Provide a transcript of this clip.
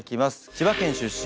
千葉県出身。